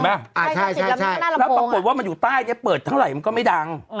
ใช่แล้วปรากฏว่ามันอยู่ใต้เนี่ยเปิดเท่าไหร่มันก็ไม่ดัง